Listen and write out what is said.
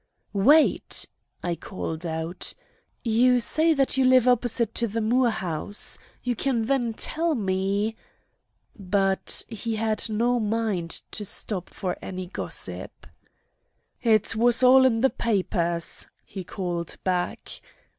"Wait!" I called out. "You say that you live opposite the Moore house. You can then tell me—" But he had no mind to stop for any gossip. "It was all in the papers," he called back.